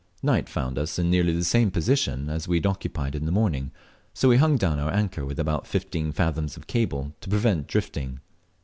Night found us in nearly the same position as we had occupied in the morning, so we hung down our anchor with about fifteen fathoms of cable to prevent drifting.